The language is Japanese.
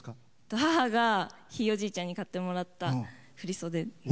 母がひいおじいちゃんに買ってもらった振り袖です。